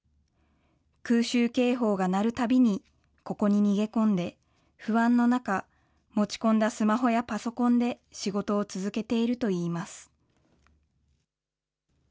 空襲警報が鳴るたびに、ここに逃げ込んで、不安の中、持ち込んだスマホやパソコンで仕事を続けているといいます。